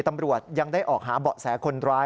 ตำรวจยังได้ออกหาเบาะแสคนร้าย